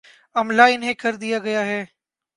عملا انہیں کر دیا گیا ہے۔